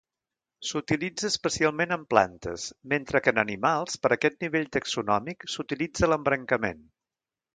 S'utilitza especialment en plantes, mentre que en animals, per a aquest nivell taxonòmic, s'utilitza l'embrancament.